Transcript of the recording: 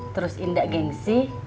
terus indah gengsi